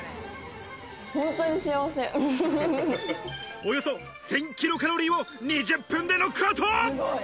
およそ１０００キロカロリーを２０分でノックアウト。